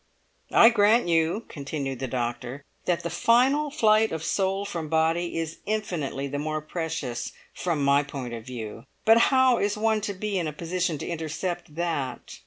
"I grant you," continued the doctor, "that the final flight of soul from body is infinitely the more precious from my point of view. But how is one to be in a position to intercept that?